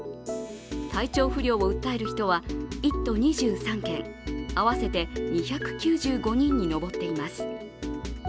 体調不良を訴える人は１都２３県、合わせて２９５人に上っています。